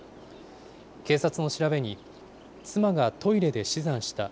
警察の調べに、妻がトイレで死産した。